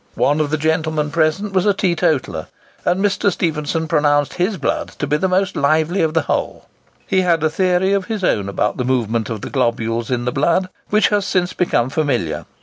One of the gentlemen present was a teetotaller, and Mr. Stephenson pronounced his blood to be the most lively of the whole. He had a theory of his own about the movement of the globules in the blood, which has since become familiar.